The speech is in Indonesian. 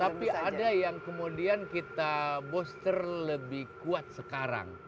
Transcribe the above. tapi ada yang kemudian kita booster lebih kuat sekarang